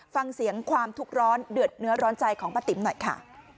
ฟังเสียงความทุกข์ร้อนเดือดเนื้อร้อนใจของป้าติ๋มหน่อยค่ะ